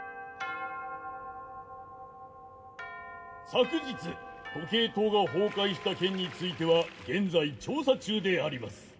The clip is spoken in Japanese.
昨日時計塔が崩壊した件については現在調査中であります。